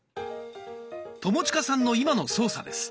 友近さんの今の操作です。